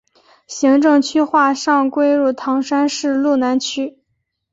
行政区划上归入唐山市路南区。